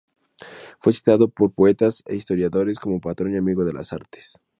Fue citado por poetas e historiadores como patrón y amigo de las artes.